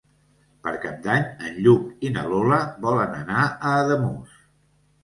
Per Cap d'Any en Lluc i na Lola volen anar a Ademús.